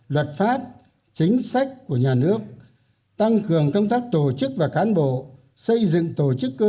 luật pháp chính sách của nhà nước tăng cường công tác tổ chức và cán bộ xây dựng tổ chức cơ